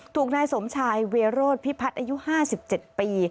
ถูกนายสมชายเวโรธพิพัฒน์อายุ๕๗ปี